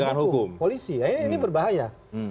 dengan hukum polisi ini berbahaya